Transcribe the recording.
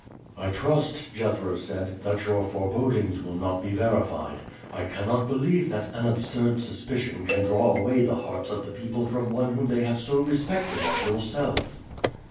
"I trust," Jethro said, "that your forebodings will not be verified. I cannot believe that an absurd suspicion can draw away the hearts of the people from one whom they have so respected as yourself."